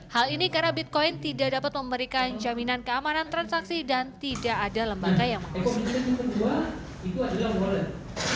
hal ini karena bitcoin tidak dapat memberikan jaminan keamanan transaksi dan tidak ada lembaga yang menghukumnya